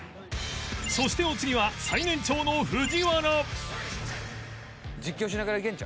そしてお次は最年長の藤原